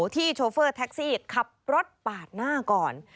โชเฟอร์แท็กซี่ขับรถปาดหน้าก่อน